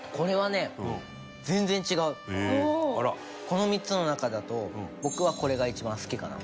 この３つの中だと僕はこれが一番好きかな。